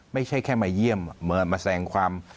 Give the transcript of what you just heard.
ไม่ใช่แค่มาเยี่ยมมาแสงความ